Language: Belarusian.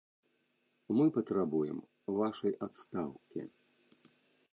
Мы патрабуем вашай адстаўкі.